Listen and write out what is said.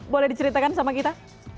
boleh diceritakan sama kita